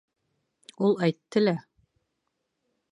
Ул Әйтте лә...